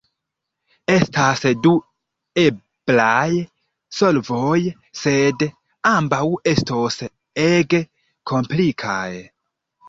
Estas du eblaj solvoj, sed ambaŭ estos ege komplikaj.